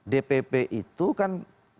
dpp itu kan